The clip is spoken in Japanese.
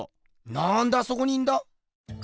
なんであそこにいんだ？